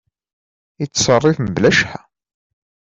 Yettserrif mebla cceḥḥa.